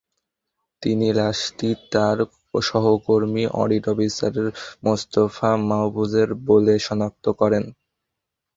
তিনি লাশটি তাঁর সহকর্মী অডিট অফিসার মোস্তফা মাহফুজের বলে শনাক্ত করেন।